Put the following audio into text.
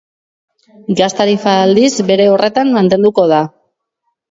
Gas tarifa, aldiz, bere horretan mantenduko da.